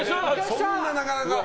そんな、なかなか。